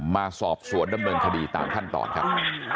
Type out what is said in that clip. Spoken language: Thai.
มาสอบสวนดำเนินคดีตามขั้นตอนครับ